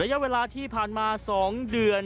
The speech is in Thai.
ระยะเวลาที่ผ่านมา๒เดือน